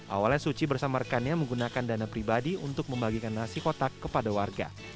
awalnya suci bersama rekannya menggunakan dana pribadi untuk membagikan nasi kotak kepada warga